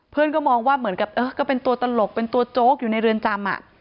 ก็มองว่าเหมือนกับเออก็เป็นตัวตลกเป็นตัวโจ๊กอยู่ในเรือนจำ